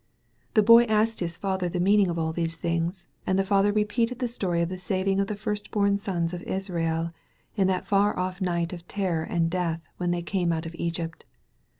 The Boy asked his father the meaning of all these things, and the father repeated the story of the saving of the first bom sons of Israel in that far off night of terror and death when they came out of Egypt.